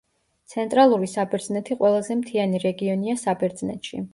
ცენტრალური საბერძნეთი ყველაზე მთიანი რეგიონია საბერძნეთში.